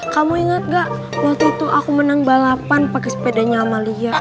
kamu ingat gak waktu itu aku menang balapan pake sepedanya sama lia